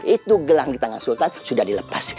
itu gelang di tangan sultan sudah dilepas